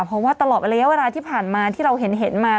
เพราะว่าตลอดระยะเวลาที่ผ่านมาที่เราเห็นมา